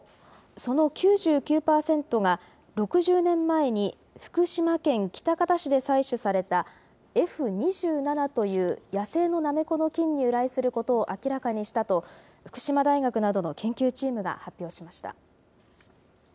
その９９％が、６０年前に福島県喜多方市で採取されたＦ２７という野生のなめこの菌に由来することを明らかにしたと、福島大学などの研究チームが発表しました。